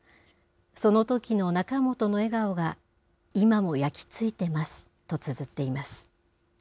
そのときの仲本の笑顔が、今も焼き付いてます、とつづっています。